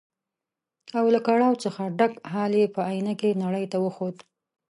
او له کړاو څخه ډک حال یې په ائينه کې نړۍ ته وښود.